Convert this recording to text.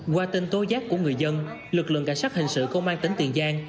qua tin tố giác của người dân lực lượng cảnh sát hình sự công an tỉnh tiền giang